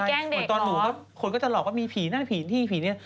อย่างตอนหนูคนก็จะหลอกว่ามีผีหน้าผีที่ผีนี่